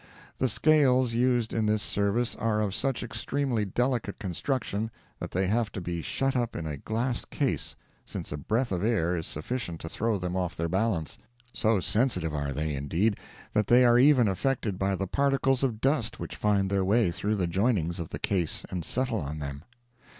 The scales used in this service are of such extremely delicate construction that they have to be shut up in a glass case, since a breath of air is sufficient to throw them off their balance—so sensitive are they, indeed, that they are even affected by the particles of dust which find their way through the joinings of the case and settle on them.